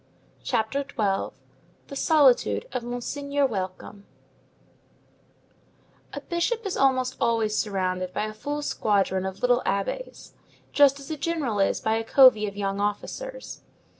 CHAPTER XII—THE SOLITUDE OF MONSEIGNEUR WELCOME A bishop is almost always surrounded by a full squadron of little abbés, just as a general is by a covey of young officers.